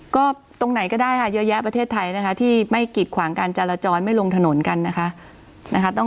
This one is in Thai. ก็ตรงไหนก็ได้ค่ะเยอะแยะประเทศไทยนะคะที่ไม่กิดขวางการจราจรไม่ลงถนนกันนะคะ